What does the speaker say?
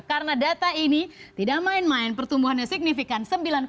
karena data ini tidak main main pertumbuhannya signifikan